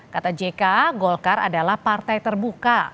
kata jk golkar adalah partai terbuka